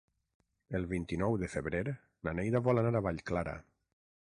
El vint-i-nou de febrer na Neida vol anar a Vallclara.